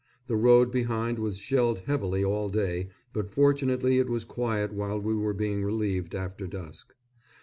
The road behind was shelled heavily all day, but fortunately it was quiet while we were being relieved after dusk.